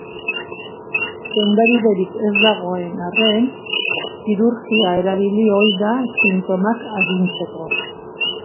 Sendabiderik ez dagoen arren, kirurgia erabili ohi da sintomak arintzeko.